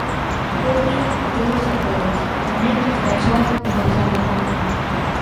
Bo día a todos e a todas, e tamén ás persoas que nos acompañan.